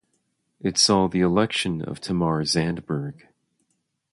It saw the election of Tamar Zandberg.